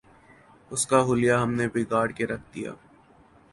اس کا حلیہ ہم نے بگاڑ کے رکھ دیا۔